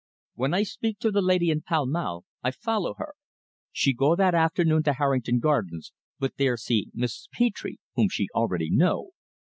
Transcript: "When I speak to the lady in Pall Mall I follow her. She go that afternoon to Harrington Gardens, but there see Mrs. Petre, whom she already know.